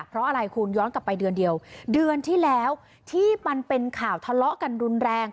เพราะอะไรคุณย้อนกลับไปเดือนเดียวเดือนที่แล้วที่มันเป็นข่าวทะเลาะกันรุนแรง